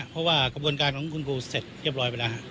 เพราะว่ากรุงการของคนพูผู้เสร็จเรียบร้อยไปล่ะ